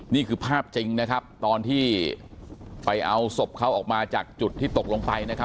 นี่คือภาพจริงนะครับตอนที่ไปเอาศพเขาออกมาจากจุดที่ตกลงไปนะครับ